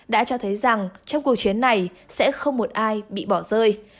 đã cho thấy rằng trong cuộc chiến này sẽ không một ai bị bỏ rơi